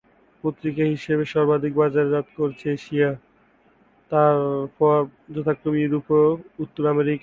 পরিমাণের হিসাবে সর্বাধিক বাজারজাত করেছে এশিয়া, তারপর যথাক্রমে ইউরোপ এবং উত্তর আমেরিকা।